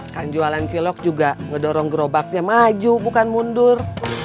kan jualan cilok juga ngedorong gerobaknya maju bukan mundur